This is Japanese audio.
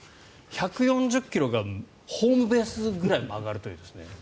１４０ｋｍがホームベースくらい曲がるという。